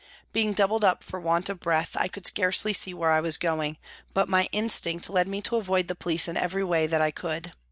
Being doubled up for want of breath, I could scarcely see where I was going, but my instinct led me to avoid the police in every way that I could.